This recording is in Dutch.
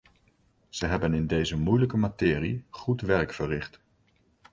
Ze hebben in deze moeilijke materie goed werk verricht.